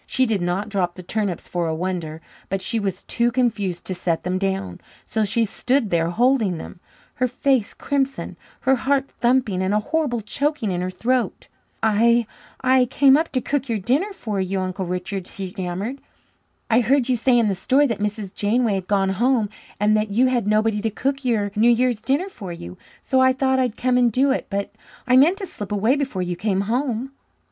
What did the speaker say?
She did not drop the turnips for a wonder; but she was too confused to set them down, so she stood there holding them, her face crimson, her heart thumping, and a horrible choking in her throat. "I I came up to cook your dinner for you, Uncle Richard," she stammered. "I heard you say in the store that Mrs. Janeway had gone home and that you had nobody to cook your New Year's dinner for you. So I thought I'd come and do it, but I meant to slip away before you came home."